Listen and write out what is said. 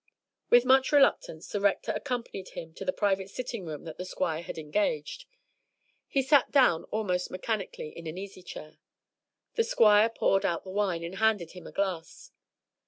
With much reluctance the Rector accompanied him to the private sitting room that the Squire had engaged. He sat down almost mechanically in an easy chair. The Squire poured out the wine, and handed him a glass.